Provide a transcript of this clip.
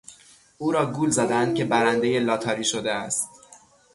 او را گول زدند که برندهی لاتاری شده است.